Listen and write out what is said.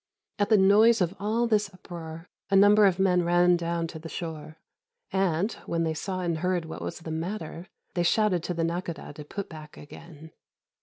At the noise of all this uproar a number of men ran down to the shore, and, when they saw and heard what was the matter, they shouted to the Nakhôdah to put back again.